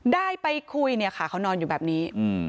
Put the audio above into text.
ได้ไปคุยเขานอนอยู่แบบนี้